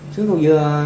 suối cầu dừa